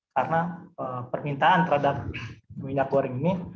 karena permintaan terhadap minyak goreng ini